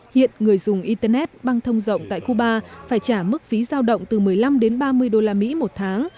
hiện người dùng internet băng thông rộng tại cuba phải trả mức phí giao động từ một mươi năm ba mươi usd một tháng